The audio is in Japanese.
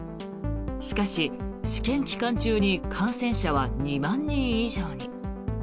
しかし、試験期間中に感染者は２万人以上に。